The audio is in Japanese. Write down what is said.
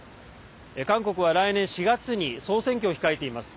韓国は来年４月に総選挙を控えています。